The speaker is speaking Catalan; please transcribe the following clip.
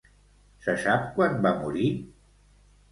Se sap quan va morir?